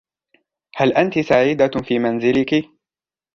هل أنتِ سعيدة في منزلك؟